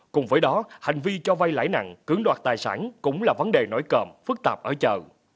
cùng với đó hành vi cho vay lãi nặng cưỡng đoạt tài sản cũng là vấn đề nổi cộm phức tạp ở chợ